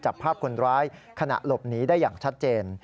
จับภาพคนร้ายขณะหลบหนีได้อย่างชัดเจน